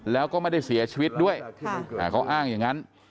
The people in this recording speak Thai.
แล้วก็ไม่ได้เสียชีวิตด้วยเขาอ้างอย่างนั้น